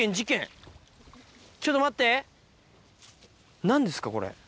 ちょっと待って何ですかこれ。